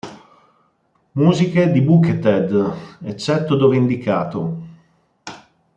Musiche di Buckethead, eccetto dove indicato.